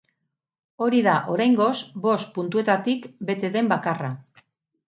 Hori da, oraingoz, bost puntuetatik bete den bakarra.